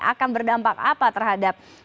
akan berdampak apa terhadap